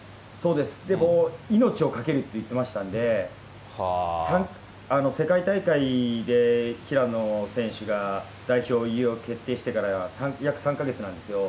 でも命を懸けるって言ってましたので、世界大会で平野選手が代表入りを決定してから約３か月なんですよ。